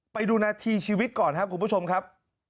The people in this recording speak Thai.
ไปดูนาทีชีวิตก่อนครับคุณผู้ชมครับ